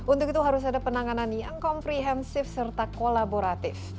untuk itu harus ada penanganan yang komprehensif serta kolaboratif